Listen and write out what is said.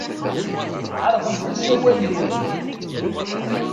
Ɛerḍemt asawal-nwent.